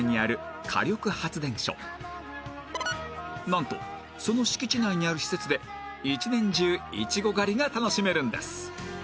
なんとその敷地内にある施設で一年中いちご狩りが楽しめるんです